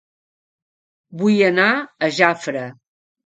Vull anar a Jafre